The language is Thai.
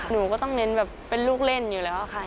หนูก็ต้องเน้นแบบเป็นลูกเล่นอยู่แล้วค่ะ